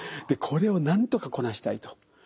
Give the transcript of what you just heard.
これをなんとかこなしたいと。